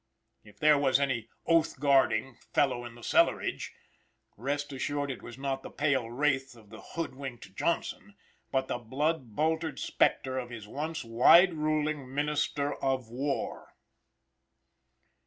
If there was any oath guarding "fellow in the cellarage," rest assured it was not the pale wraith of the hood winked Johnson, but the blood boltered spectre of his once wide ruling Minister of War.